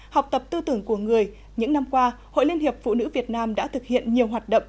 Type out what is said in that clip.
học tập tư tưởng của người những năm qua hội liên hiệp phụ nữ việt nam đã thực hiện nhiều hoạt động